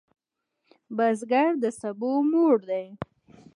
بزګر د سبو مور دی